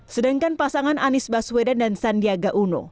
sedangkan pasangan anies baswedan dan sandiaga uno